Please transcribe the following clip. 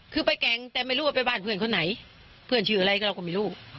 คือไปแก่งแต่ไม่รู้ว่าไปบ้านเพื่อนเขาไหนเพื่อนชื่ออะไรก็เราก็ไม่รู้